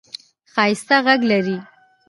ښایسته ږغ لرې !